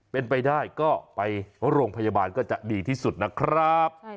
เป็นไปได้ก็ไปโรงพยาบาลก็จะดีที่สุดนะครับ